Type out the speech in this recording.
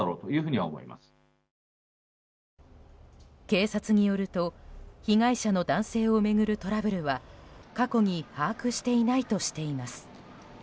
警察によると被害者の男性を巡るトラブルは過去に把握していないとしています。